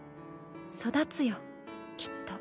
育つよきっと。